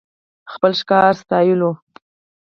خپل ښکار ستايلو .